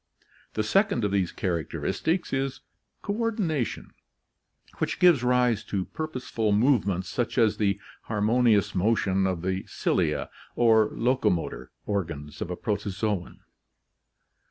The second of these characteristics is coordination, which gives rise to purposeful move ments such as the harmonious motion of the cilia or locomotor organs of a protozoon.